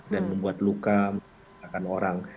dan membuat luka membuat orang